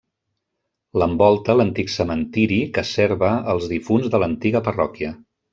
L'envolta l'antic cementiri que serva els difunts de l'antiga parròquia.